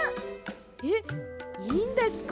えっいいんですか？